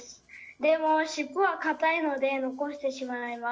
でも、尻尾は固いので残してしまいます。